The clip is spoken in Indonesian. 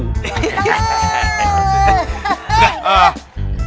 ustadz mursa datang karena rindu